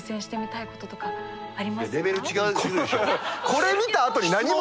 これ見たあとに何も言えない。